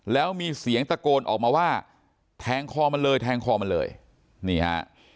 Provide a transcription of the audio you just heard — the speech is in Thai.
แล้วมีเสียงตะโกนออกมาว่าแทงคอมันเลยแทงคอมันเลยนี่ฮะ